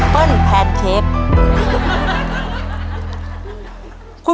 เปิ้ลแพนเค้ก